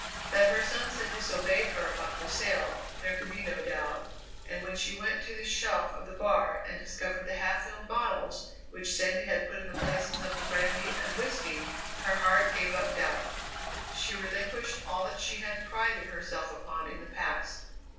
That her sons had disobeyed her about the sail there could be no doubt, and when she went to the shelf of the bar and discovered the half filled bottles which Sandy had put in the places of the brandy and whisky, her heart gave up doubt. She relinquished all that she had prided herself upon in the past.